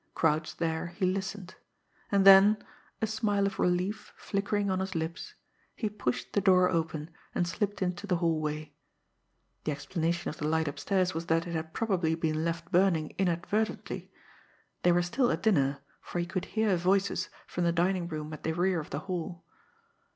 Crouched there, he listened. And then, a smile of relief flickering on his lips, he pushed the door open, and slipped into the hallway. The explanation of the light upstairs was that it had probably been left burning inadvertently. They were still at dinner, for he could hear voices from the dining room at the rear of the hall.